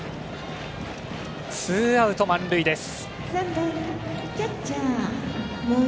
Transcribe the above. ツーアウト、満塁です。